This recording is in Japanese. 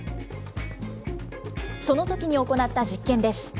そのときに行った実験です。